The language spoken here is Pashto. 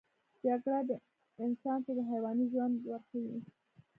جګړه انسان ته د حیواني ژوند ورښيي